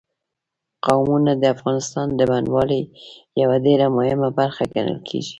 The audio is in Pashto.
قومونه د افغانستان د بڼوالۍ یوه ډېره مهمه برخه ګڼل کېږي.